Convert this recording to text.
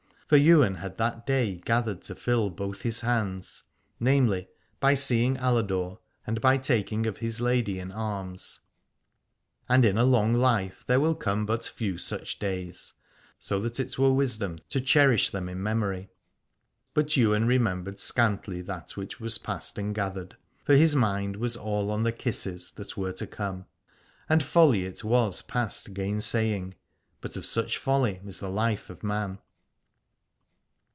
For Ywain had that day gathered to fill both his hands — namely, by seeing Aladore and by taking of his lady in arms : 20I Aladore and in a long life there will come but few such days, so that it were wisdom to cherish them in memory. But Ywain remembered scantly that which was past and gathered, for his mind was all on the kisses that were to come : and folly it was past gainsaying, but of such folly is the life of man.